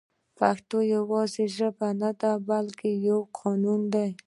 پښتو يوازې يوه ژبه نه ده بلکې يو قانون دی